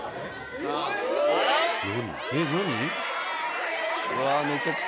えっ何？